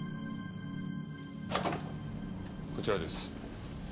こちらです。